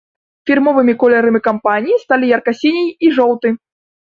Фірмовымі колерамі кампаніі сталі ярка-сіні і жоўты.